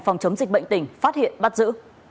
phòng chống dịch bệnh tỉnh phát hiện bắt giữ